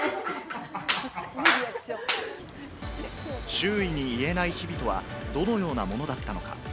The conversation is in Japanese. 周囲に言えない日々とは、どのようなものだったのか。